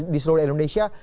di seluruh indonesia